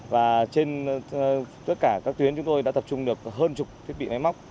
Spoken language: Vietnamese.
và trên tất cả các tuyến chúng tôi đã tập trung được hơn chục thiết bị máy móc